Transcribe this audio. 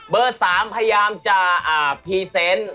เบอร์๓พยายามจะพรีเซนต์